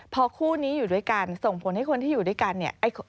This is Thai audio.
พอคู่นี้อยู่ด้วยกันส่งผลให้คนที่อยู่ด้วยกันเนี่ย